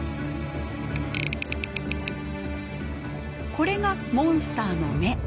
これがモンスターの目。